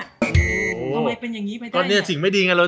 โอ้โหยันเดี๋ยวแล้วต้องกินทุกตอนใหม่หมดอะ